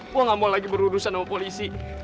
gue gak mau lagi berurusan sama polisi